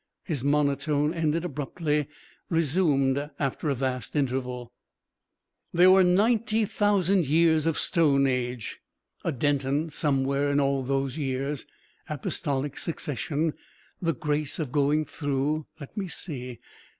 His monotone, ended abruptly, resumed after a vast interval. "There were ninety thousand years of stone age. A Denton somewhere in all those years. Apostolic succession. The grace of going through. Let me see!